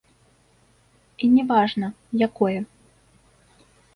І не важна, якое.